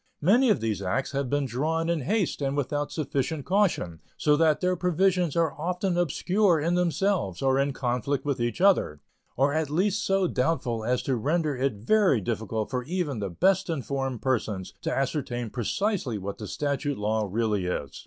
Many of these acts have been drawn in haste and without sufficient caution, so that their provisions are often obscure in themselves or in conflict with each other, or at least so doubtful as to render it very difficult for even the best informed persons to ascertain precisely what the statute law really is.